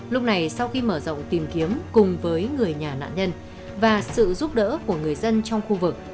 lúc này sau khi mở rộng tìm kiếm cùng với người nhà nạn nhân và sự giúp đỡ của người dân trong khu vực